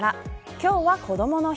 今日はこどもの日。